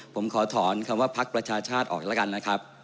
ผมขอถอนสำหรับภาคประชาชาติแหละกันนะครับ